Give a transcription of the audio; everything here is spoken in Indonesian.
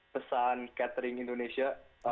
pesan catering indonesia